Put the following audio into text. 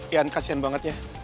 ian kasian banget ya